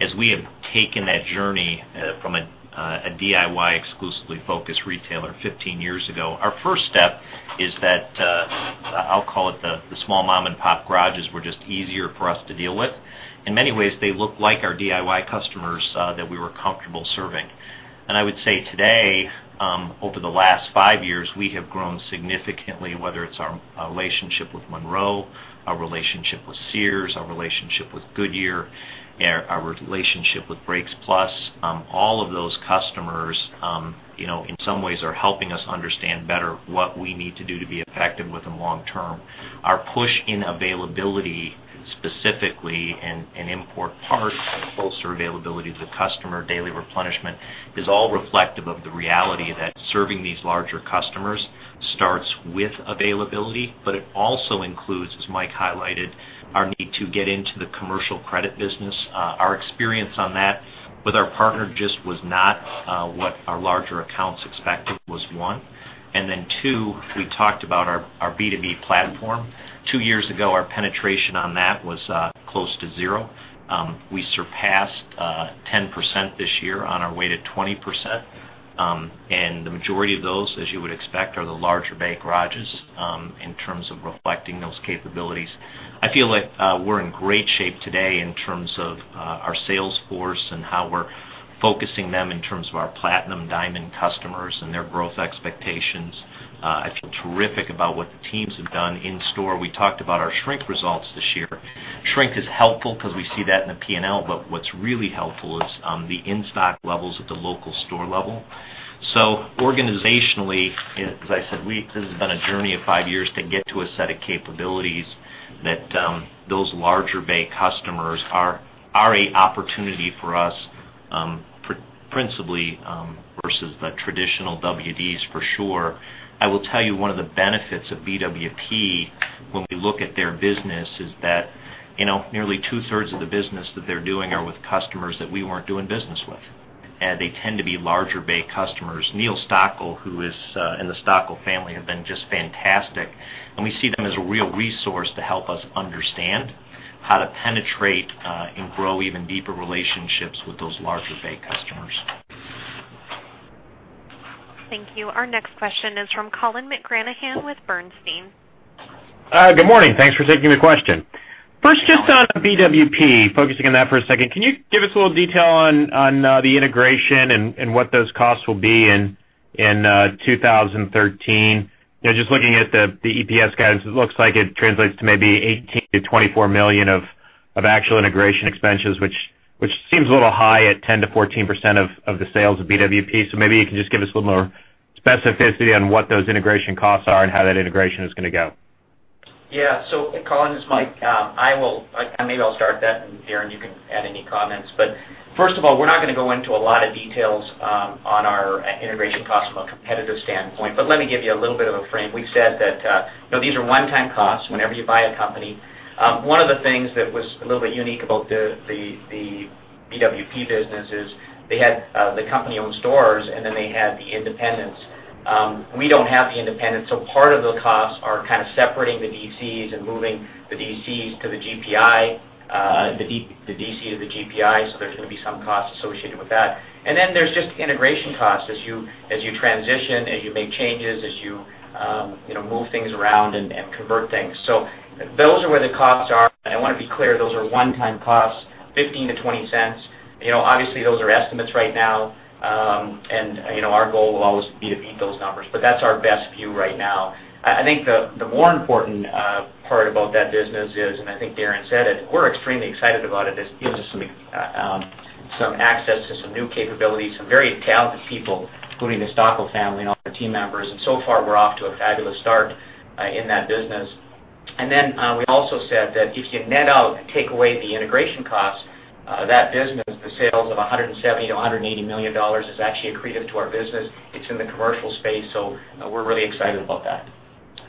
As we have taken that journey from a DIY exclusively focused retailer 15 years ago, our first step is that, I'll call it the small mom-and-pop garages were just easier for us to deal with. In many ways, they look like our DIY customers that we were comfortable serving. I would say today, over the last 5 years, we have grown significantly, whether it's our relationship with Monroe, our relationship with Sears, our relationship with Goodyear, our relationship with Brakes Plus. All of those customers, in some ways, are helping us understand better what we need to do to be effective with them long term. Our push in availability specifically and in part, closer availability to the customer, daily replenishment, is all reflective of the reality that serving these larger customers starts with availability, but it also includes, as Mike highlighted, our need to get into the commercial credit business. Our experience on that with our partner just was not what our larger accounts expected, was one. Then two, we talked about our B2B platform. Two years ago, our penetration on that was close to zero. We surpassed 10% this year on our way to 20%. The majority of those, as you would expect, are the larger bay garages, in terms of reflecting those capabilities. I feel like we're in great shape today in terms of our sales force and how we're focusing them in terms of our platinum diamond customers and their growth expectations. I feel terrific about what the teams have done in store. We talked about our shrink results this year. Shrink is helpful because we see that in the P&L, but what's really helpful is the in-stock levels at the local store level. Organizationally, as I said, this has been a journey of five years to get to a set of capabilities that those larger bay customers are a opportunity for us, principally, versus the traditional WDs, for sure. I will tell you one of the benefits of BWP when we look at their business is that, nearly two-thirds of the business that they're doing are with customers that we weren't doing business with. They tend to be larger bay customers. Neil Stockel, and the Stockel family have been just fantastic, and we see them as a real resource to help us understand how to penetrate, and grow even deeper relationships with those larger bay customers. Thank you. Our next question is from Colin McGranahan with Bernstein. Good morning. Thanks for taking the question. Just on BWP, focusing on that for a second. Can you give us a little detail on the integration and what those costs will be in 2013? Looking at the EPS guidance, it looks like it translates to maybe $18 million-$24 million of actual integration expenses, which seems a little high at 10%-14% of the sales of BWP. Maybe you can just give us a little more specificity on what those integration costs are and how that integration is going to go. Yeah. Colin, this is Mike. Maybe I'll start that. Darren, you can add any comments. We're not going to go into a lot of details on our integration cost from a competitive standpoint. Let me give you a little bit of a frame. We said that these are one-time costs whenever you buy a company. One of the things that was a little bit unique about the BWP business is they had the company-owned stores, and then they had the independents. We don't have the independents, part of the costs are kind of separating the DCs and moving the DC to the GPI, there's going to be some costs associated with that. There's just integration costs as you transition, as you make changes, as you move things around and convert things. Those are where the costs are. I want to be clear, those are one-time costs, $0.15-$0.20. Obviously, those are estimates right now. Our goal will always be to beat those numbers. That's our best view right now. I think the more important part about that business is, I think Darren said it, we're extremely excited about it. This gives us some access to some new capabilities, some very talented people, including the Stockle family and all their team members. So far, we're off to a fabulous start in that business. We also said that if you net out and take away the integration costs, that business, the sales of $170 million-$180 million, is actually accretive to our business. It's in the commercial space, we're really excited about that.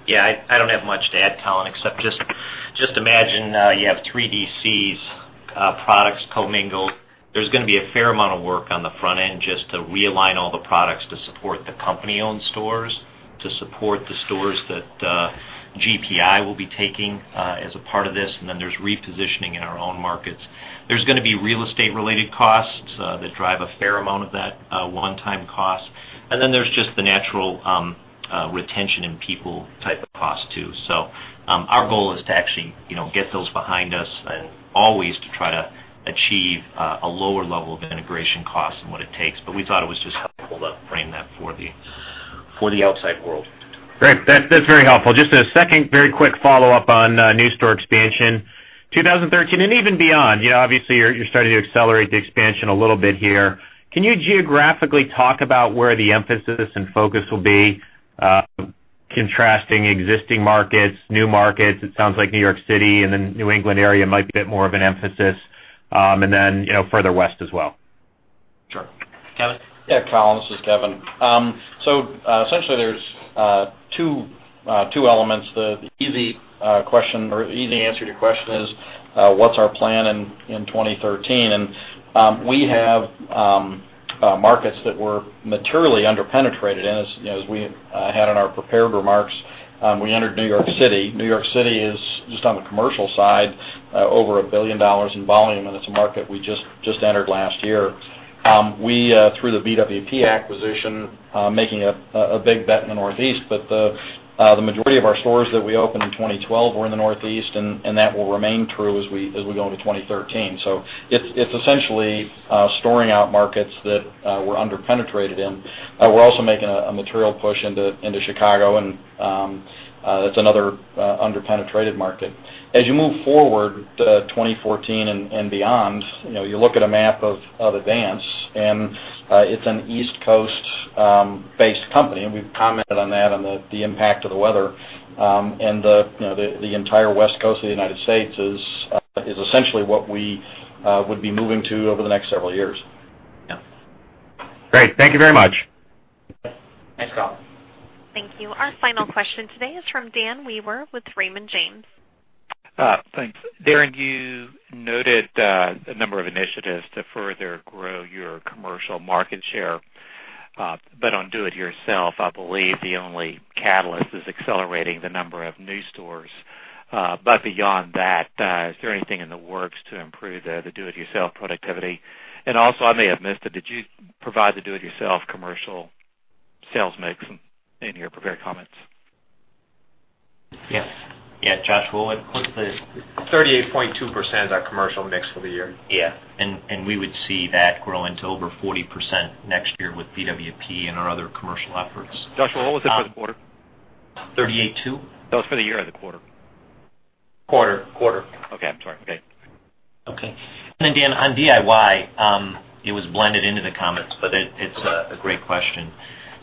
Yeah, I don't have much to add, Colin, except just imagine you have three DCs, products commingled. There's going to be a fair amount of work on the front end just to realign all the products to support the company-owned stores, to support the stores that GPI will be taking as a part of this. There's repositioning in our own markets. There's going to be real estate-related costs that drive a fair amount of that one-time cost. There's just the natural retention and people type of cost, too. Our goal is to actually get those behind us and always to try to achieve a lower level of integration cost than what it takes. We thought it was just helpful to frame that for the outside world. Great. That's very helpful. Just a second very quick follow-up on new store expansion. 2013, even beyond, obviously, you're starting to accelerate the expansion a little bit here. Can you geographically talk about where the emphasis and focus will be, contrasting existing markets, new markets? It sounds like New York City and the New England area might be a bit more of an emphasis, further west as well. Sure. Kevin? Yeah, Colin, this is Kevin. Essentially there's two elements. The easy answer to your question is, what's our plan in 2013? We have Markets that were materially under-penetrated. As we had in our prepared remarks, we entered New York City. New York City is, just on the commercial side, over $1 billion in volume, it's a market we just entered last year. We, through the BWP acquisition, making a big bet in the Northeast. The majority of our stores that we opened in 2012 were in the Northeast, that will remain true as we go into 2013. It's essentially storing out markets that we're under-penetrated in. We're also making a material push into Chicago, that's another under-penetrated market. As you move forward to 2014 and beyond, you look at a map of Advance, it's an East Coast-based company, we've commented on that on the impact of the weather. The entire West Coast of the United States is essentially what we would be moving to over the next several years. Yeah. Great. Thank you very much. Thanks, Colin. Thank you. Our final question today is from Dan Wewer with Raymond James. Thanks. Darren, you noted a number of initiatives to further grow your commercial market share. On do it yourself, I believe the only catalyst is accelerating the number of new stores. Beyond that, is there anything in the works to improve the do it yourself productivity? Also, I may have missed it, did you provide the do it yourself commercial sales mix in your prepared comments? Yes. Yeah, Joshua, what was the 38.2% is our commercial mix for the year. Yeah. We would see that growing to over 40% next year with BWP and our other commercial efforts. Joshua, what was it for the quarter? 38.2%. That was for the year or the quarter? Quarter. Quarter. Okay. I'm sorry. Okay. Okay. Dan Wewer, on DIY, it was blended into the comments, it's a great question.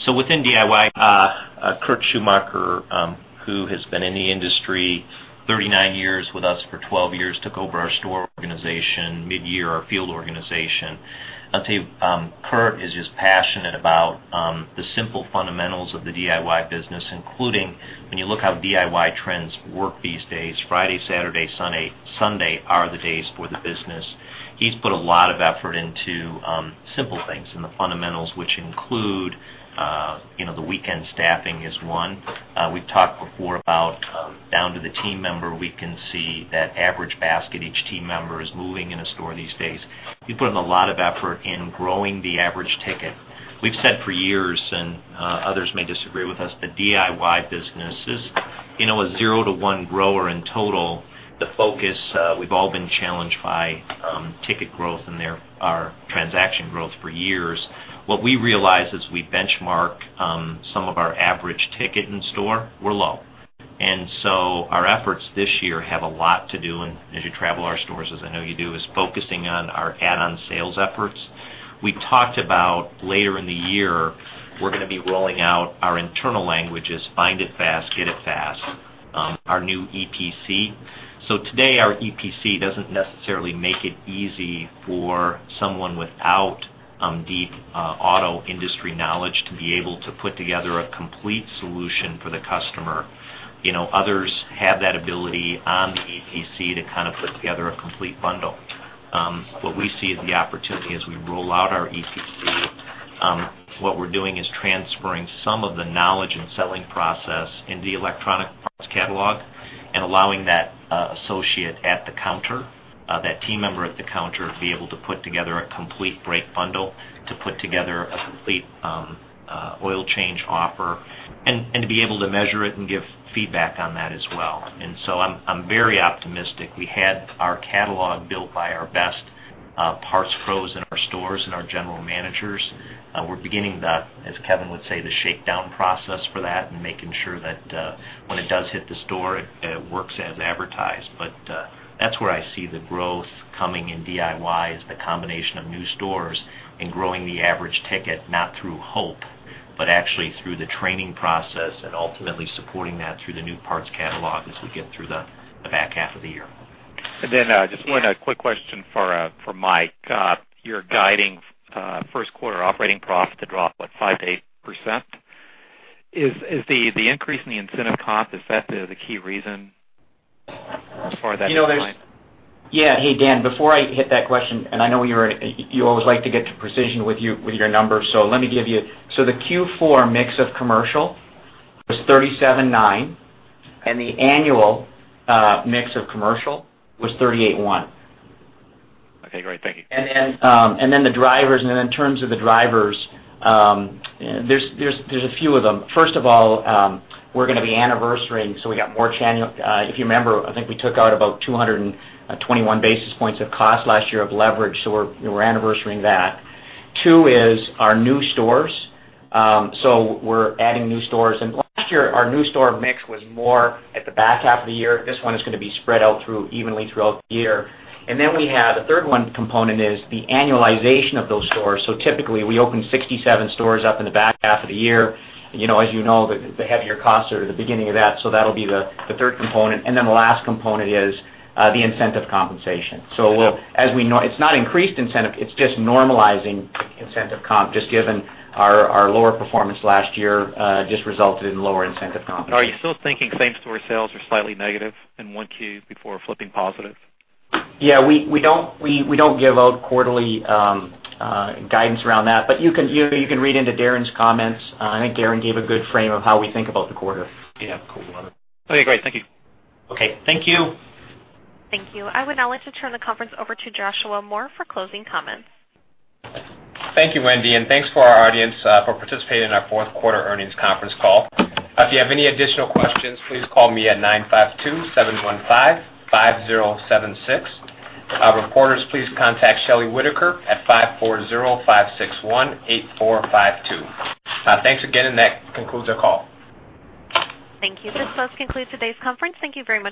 Within DIY, Kurt Schumacher, who has been in the industry 39 years, with us for 12 years, took over our store organization mid-year, our field organization. I'll tell you, Kurt is just passionate about the simple fundamentals of the DIY business, including when you look how DIY trends work these days, Friday, Saturday, Sunday are the days for the business. He's put a lot of effort into simple things and the fundamentals, which include the weekend staffing is one. We've talked before about down to the team member, we can see that average basket each team member is moving in a store these days. We put in a lot of effort in growing the average ticket. We've said for years, others may disagree with us, the DIY business is a zero to one grower in total. The focus, we've all been challenged by ticket growth and our transaction growth for years. What we realized as we benchmark some of our average ticket in store, we're low. Our efforts this year have a lot to do, and as you travel our stores as I know you do, is focusing on our add-on sales efforts. We talked about later in the year, we're gonna be rolling out our internal languages, Find It Fast, Get It Fast, our new EPC. Today, our EPC doesn't necessarily make it easy for someone without deep auto industry knowledge to be able to put together a complete solution for the customer. Others have that ability on the EPC to kind of put together a complete bundle. What we see is the opportunity as we roll out our EPC, what we're doing is transferring some of the knowledge and selling process in the electronic parts catalog and allowing that associate at the counter, that team member at the counter, to be able to put together a complete brake bundle, to put together a complete oil change offer, and to be able to measure it and give feedback on that as well. I'm very optimistic. We had our catalog built by our best parts pros in our stores and our general managers. We're beginning the, as Kevin would say, the shakedown process for that and making sure that when it does hit the store, it works as advertised. That's where I see the growth coming in DIY is the combination of new stores and growing the average ticket, not through hope, but actually through the training process and ultimately supporting that through the new parts catalog as we get through the back half of the year. Just one quick question for Mike. You're guiding first quarter operating profit to drop, what, five to eight percent. Is the increase in the incentive cost, is that the key reason for that decline? Yeah. Hey, Dan, before I hit that question, I know you always like to get to precision with your numbers, let me give you. The Q4 mix of commercial was 37.9%, and the annual mix of commercial was 38.1%. Okay, great. Thank you. In terms of the drivers, there's a few of them. First of all, we're going to be anniversarying, so we got more channel. If you remember, I think we took out about 221 basis points of cost last year of leverage, so we're anniversarying that. Two is our new stores. We're adding new stores. Last year, our new store mix was more at the back half of the year. This one is going to be spread out evenly throughout the year. We have a third one component is the annualization of those stores. Typically, we open 67 stores up in the back half of the year. As you know, the heavier costs are at the beginning of that, so that will be the third component. The last component is the incentive compensation. It's not increased incentive, it's just normalizing incentive comp, just given our lower performance last year just resulted in lower incentive compensation. Are you still thinking same store sales are slightly negative in one Q before flipping positive? We don't give out quarterly guidance around that. You can read into Darren's comments. I think Darren gave a good frame of how we think about the quarter. Cool. Okay, great. Thank you. Okay. Thank you. Thank you. I would now like to turn the conference over to Joshua Moore for closing comments. Thank you, Wendy, thanks for our audience for participating in our fourth quarter earnings conference call. If you have any additional questions, please call me at 952-715-5076. Reporters, please contact Shelly Whitaker at 540-561-8452. Thanks again, and that concludes our call. Thank you. This does conclude today's conference. Thank you very much.